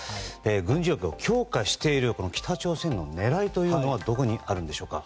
軍事力を強化している北朝鮮の狙いというのはどこにあるんでしょうか。